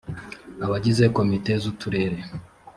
abagize komite z uturere